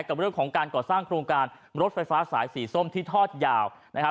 กับเรื่องของการก่อสร้างโครงการรถไฟฟ้าสายสีส้มที่ทอดยาวนะครับ